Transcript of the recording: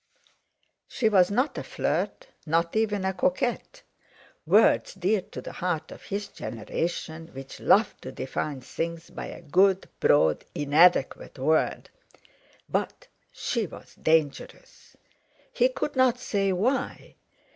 She was not a flirt, not even a coquette—words dear to the heart of his generation, which loved to define things by a good, broad, inadequate word—but she was dangerous. He could not say why.